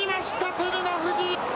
照ノ富士。